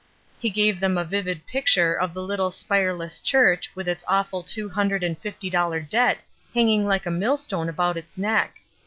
He gave them a vivid picture of the little spire less church with its awful two hundred and fifty doUar debt hanging like a millstone about its neck.